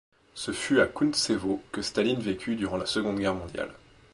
Ce fut à Kountsevo que Staline vécut durant la Seconde Guerre mondiale.